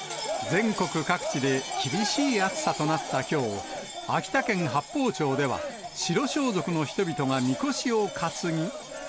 全国各地で厳しい暑さとなったきょう、秋田県八峰町では、白装束の人々がみこしを担ぎ。